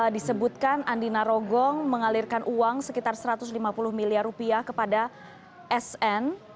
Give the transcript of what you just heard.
disebutkan andi narogong mengalirkan uang sekitar satu ratus lima puluh miliar rupiah kepada sn